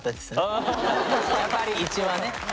やっぱり１位はね。